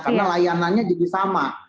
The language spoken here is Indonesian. karena layanannya jadi sama